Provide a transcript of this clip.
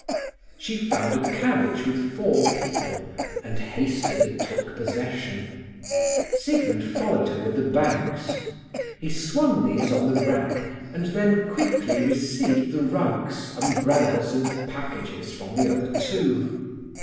She found a carriage with four people, and hastily took possession. Siegmund followed her with the bags. He swung these on the rack, and then quickly received the rugs, umbrellas, and packages from the other two.